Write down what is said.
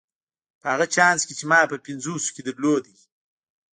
په هغه چانس کې چې ما په پنځوسو کې درلود.